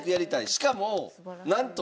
しかもなんと。